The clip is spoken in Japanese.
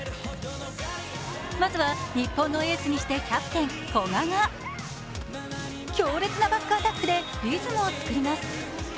まずは日本のエースにしてキャプテン・古賀が強烈なバックアタックでリズムを作ります。